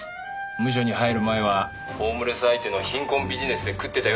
ムショに入る前はホームレス相手の貧困ビジネスで食ってたようだ。